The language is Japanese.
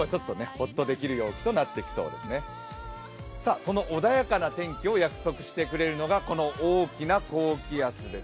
この穏やかな天気を約束してくれるのが、この大きな高気圧です。